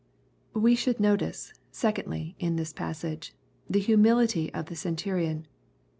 We should notice, secondly, in this passage, the hi^ mility of the centurion.